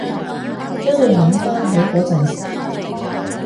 都會諗返起嗰陣